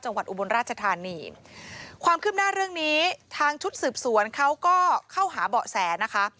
อุบลราชธานีความคืบหน้าเรื่องนี้ทางชุดสืบสวนเขาก็เข้าหาเบาะแสนะคะ